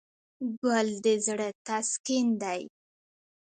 ګل د زړه تسکین دی.